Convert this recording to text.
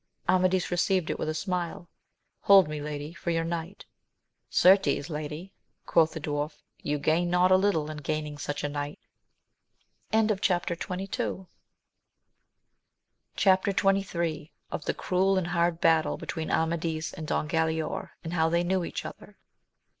Amadis re ceived it with a smile: Hold me, lady, for your knight ! Certes, lady, quoth the dwarf, you gain not a little in gaining such a knight. AMADIS OF GAUL. U\ ObjlB, XXIII. — Of the cruel and hard battle between Amadis and Don Galaor, and how they knew each other.